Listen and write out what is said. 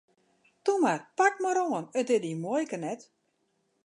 Toe mar, pak mar oan, it is dyn muoike net!